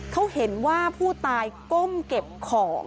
เขาเห็นว่าผู้ตายก้มเก็บของ